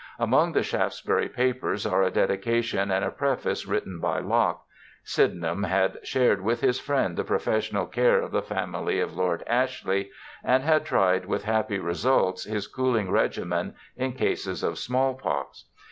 Among the Shaftesbury papers are a dedication and a preface written by Locke. Sydenham had shared with his friend the professional care of the family of Lord Ashley, and had tried with happy results his cooling regimen in cases of small pox.